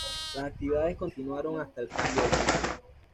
Las actividades continuaron hasta el cambio de siglo.